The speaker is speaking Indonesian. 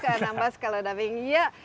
belum ke anambas kalau diving ya